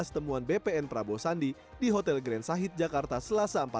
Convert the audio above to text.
temuan bpn prabowo sandi di hotel grand sahit jakarta selasa empat belas